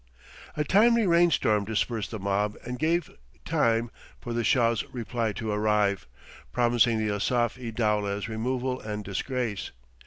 A timely rain storm dispersed the mob and gave time for the Shah's reply to arrive, promising the Asaf i dowleh's removal and disgrace.